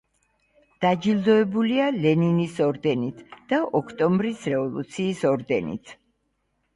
დაჯილდოებულია ლენინის ორდენით და ოქტომბრის რევოლუციის ორდენით.